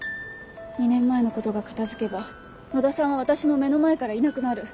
２年前のことが片付けば野田さんは私の目の前からいなくなる。